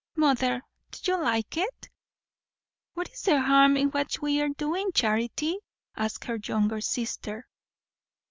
"Mother, do you like it?" "What is the harm in what we are doing, Charity?" asked her younger sister.